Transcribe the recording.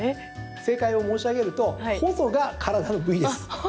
正解を申し上げるとほぞが体の部位です。